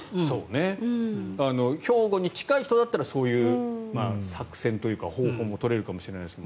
標語に近い人だったらそういう作戦というか方法も取れるかもしれませんが。